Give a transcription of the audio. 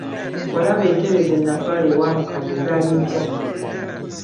Walaba entebe ze natwala ewa mukadde zaali mpya ttuku.